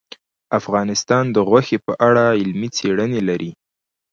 افغانستان د غوښې په اړه علمي څېړنې لري.